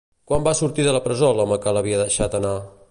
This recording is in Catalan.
Quan va sortir de la presó l'home que l'havia deixat anar?